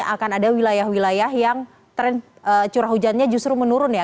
akan ada wilayah wilayah yang curah hujannya justru menurun ya